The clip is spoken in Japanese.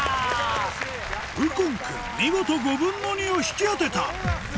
右近君見事５分の２を引き当てた！